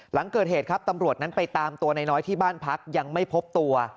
หลังเกิดเหตุครับตำรวจนั้นไปตามตัวน้อยที่บ้านพักยังไม่พบตัว